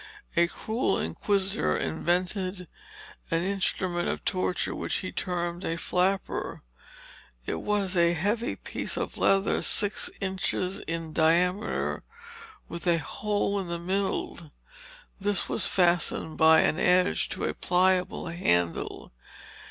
A cruel inquisitor invented an instrument of torture which he termed a flapper. It was a heavy piece of leather six inches in diameter, with a hole in the middle. This was fastened by an edge to a pliable handle.